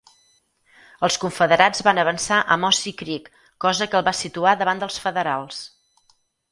Els confederats van avançar a Mossy Creek, cosa que el va situar davant dels federals.